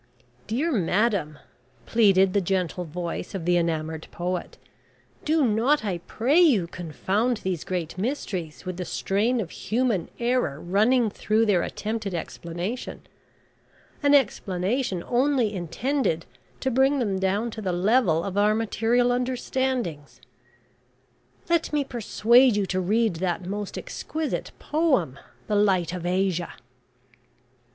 "Dear madam," pleaded the gentle voice of the enamoured poet, "do not, I pray you, confound these great mysteries with the strain of Human Error running through their attempted explanation an explanation only intended to bring them down to the level of our material understandings. Let me persuade you to read that most exquisite poem `The Light of Asia.'"